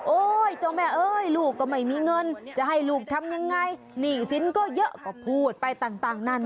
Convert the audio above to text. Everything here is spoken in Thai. เจ้าแม่เอ้ยลูกก็ไม่มีเงินจะให้ลูกทำยังไงหนี้สินก็เยอะก็พูดไปต่างนั่น